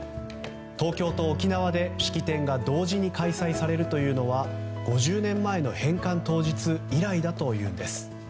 東京と沖縄で、式典が同時に開催されるというのは５０年前の返還当日以来だというんです。